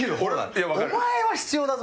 お前は必要だぞ。